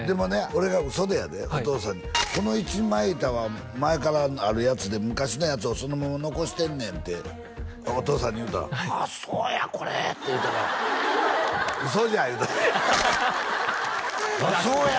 俺が嘘でやでお父さんにこの一枚板は前からあるやつで昔のやつをそのまま残してんねんってお父さんに言うたら「ああそうやこれ」って言うたから嘘じゃ言うたわ「あっそうや！」